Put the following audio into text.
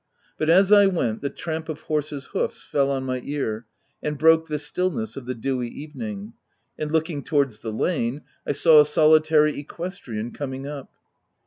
But as I went, the tramp of horses' hoofs fell on my ear, and broke the stillness of the dewy evening ; and, looking towards the lane, I saw a solitary equestrian coming up.